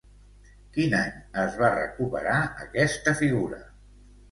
Quin any es va recuperar, aquesta figura?